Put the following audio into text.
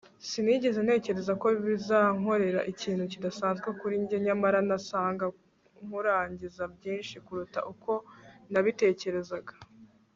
sinigeze ntekereza ko bizankorera ikintu kidasanzwe kuri njye, nyamara nasaga nkurangiza byinshi kuruta uko nabitekerezaga